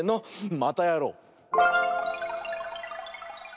またやろう！